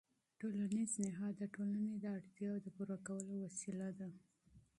ټولنیز نهاد د ټولنې د اړتیاوو د پوره کولو وسیله ده.